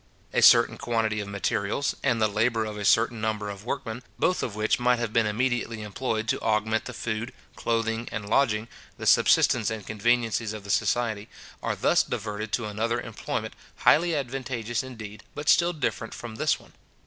A certain quantity of materials, and the labour of a certain number of workmen, both of which might have been immediately employed to augment the food, clothing, and lodging, the subsistence and conveniencies of the society, are thus diverted to another employment, highly advantageous indeed, but still different from this one.